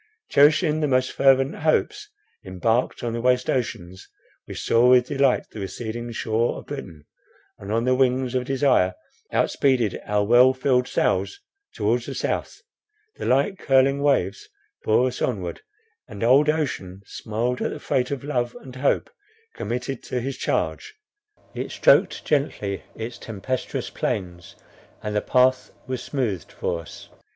Cherishing the most fervent hopes, embarked on the waste ocean, we saw with delight the receding shore of Britain, and on the wings of desire outspeeded our well filled sails towards the South. The light curling waves bore us onward, and old ocean smiled at the freight of love and hope committed to his charge; it stroked gently its tempestuous plains, and the path was smoothed for us.